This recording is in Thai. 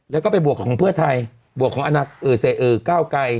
แล้วก็ไปบวกของเพื่อไทยบวกของอนักเออเสเออเก้ากัย